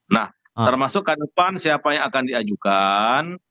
nah termasuk ke depan siapa yang akan diajukan